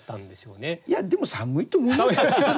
いやでも寒いと思いますよ。